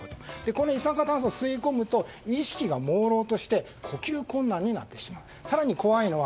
一酸化炭素を吸い込むと意識がもうろうとして呼吸困難になってしまう。